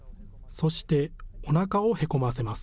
そして、おなかをへこませます。